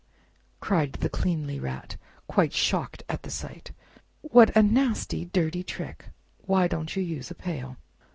cried the cleanly Rat, quite shocked at the sight. "What a nasty, dirty trick! Why don't you use a pail?"